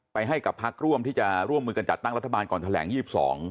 ให้กับพักร่วมที่จะร่วมมือกันจัดตั้งรัฐบาลก่อนแถลง๒๒